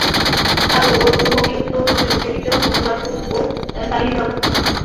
তাঁর রূহকে ঊর্ধ জগতে উঠিয়ে নিতে ও নবী-রাসূল ও সালিহীনদের অন্তর্ভুক্ত করতে।